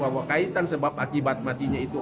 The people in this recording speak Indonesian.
bahwa kaitan sebab akibat matinya itu